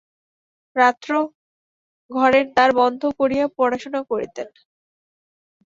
রাত্রে ঘরের দ্বার বন্ধ করিয়া পড়াশুনা করিতেন।